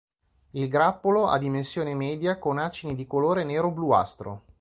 Il grappolo ha dimensione media, con acini di colore nero-bluastro.